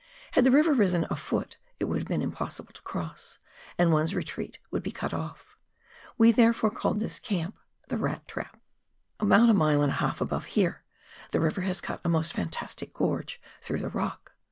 Had the river risen a foot it would have been impossible to cross, and one's retreat would be cut off. We therefore called this camp the " Rat Trap." About a mile and a half above here, the river has cut a most fantastic gorge through the rock.